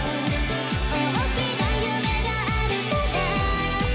「大きな夢があるから」